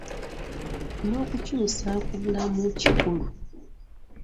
N'okukyusa ku bulamu kikulu.